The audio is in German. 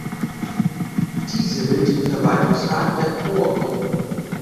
Diese wählt den Verwaltungsrat der Coop-Gruppe.